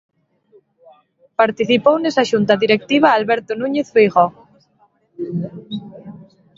Participou nesa xunta directiva Alberto Núñez Feijóo.